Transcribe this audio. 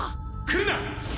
来るな！